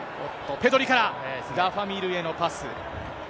ペドリから、ラファ・ミールへのパス。